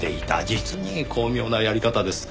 実に巧妙なやり方です。